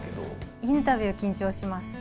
インタビュー、緊張します。